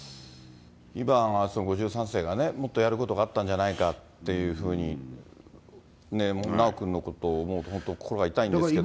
今、５３世が、もっとやることがあったんじゃないかっていうふうに、修くんのことを思うと本当に心が痛いんですけど。